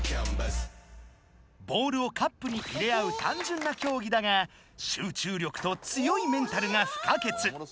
ボールをカップに入れ合うたんじゅんなきょうぎだが集中力と強いメンタルが不可欠。